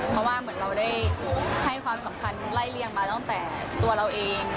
เพราะว่าเหมือนเราได้ให้ความสำคัญไล่เลี่ยงมาตั้งแต่ตัวเราเอง